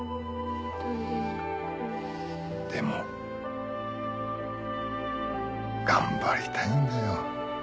でも頑張りたいんだよ